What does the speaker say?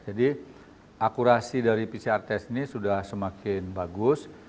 jadi akurasi dari pcr test ini sudah semakin bagus